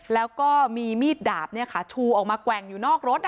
แล้วก็มีมีดดาบเนี่ยค่ะทูออกมาแกว่งอยู่นอกรถอ่ะ